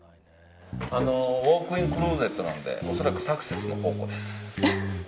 ウォークインクローゼットなので恐らく、サクセスの宝庫です。